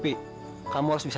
ya terus raja